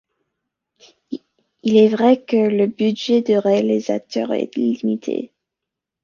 Il est vrai que le budget du réalisateur est limité.